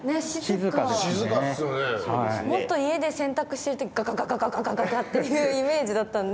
もっと家で洗濯してる時ガガガガッていうイメージだったんで。